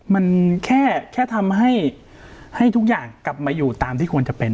มันแค่ทำให้ทุกอย่างกลับมาอยู่ตามที่ควรจะเป็น